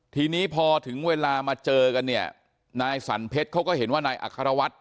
ทีนี้พอถึงเวลามาเจอกันเนี่ยนายสันเพชรเขาก็เห็นว่านายอัครวัฒน์